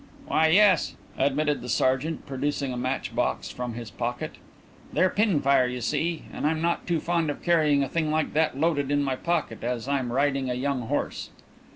"Why, yes," admitted the sergeant, producing a matchbox from his pocket. "They're pin fire, you see, and I'm not too fond of carrying a thing like that loaded in my pocket as I'm riding a young horse."